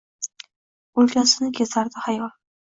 O’lkasini kezardi xayol